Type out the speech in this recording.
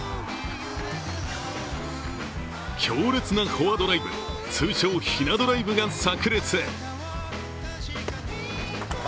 強烈なフォアドライブ通称・ひなドライブがさく裂！